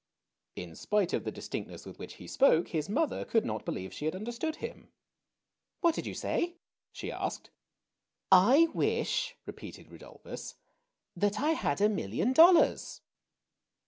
'' In spite of the distinctness with which he spoke, his mother could not believe she had understood him. ^^What did you say?" she asked. I wish," repeated Rudolphus, ^Hhat I had a million dollars."